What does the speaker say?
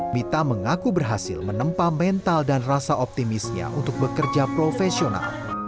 mita mengaku berhasil menempa mental dan rasa optimisnya untuk bekerja profesional